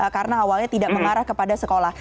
karena awalnya tidak mengarah kepada sekolah